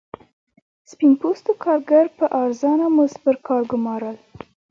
سپین پوستو کارګر په ارزانه مزد پر کار ګومارل.